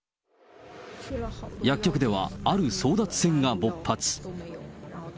薬局ではある争奪戦がぼっ発。